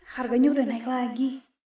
harganya udah naik lagi